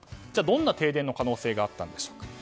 どんな停電の可能性があったんでしょうか。